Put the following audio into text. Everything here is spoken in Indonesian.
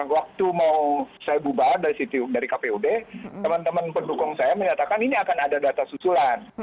waktu mau saya bubar dari kpud teman teman pendukung saya menyatakan ini akan ada data susulan